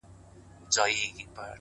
o نورو ته مي شا کړې ده تاته مخامخ یمه؛